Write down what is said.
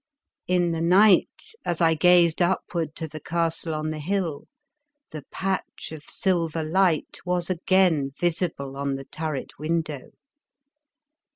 In the night, as I gazed upward to the castle on the hill, the patch of silver light was again visible on the turret window.